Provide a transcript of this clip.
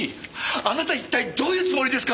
あなた一体どういうつもりですか？